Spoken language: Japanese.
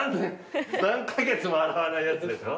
何カ月も洗わないやつでしょ。